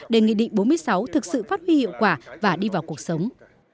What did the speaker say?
để nghị định bốn mươi sáu thực sự phát huy hiệu quả và đi vào cuộc sống